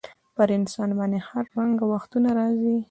پر انسان باندي هر رنګه وختونه راځي.